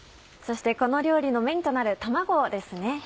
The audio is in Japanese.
そしてこの料理のメインとなる卵ですね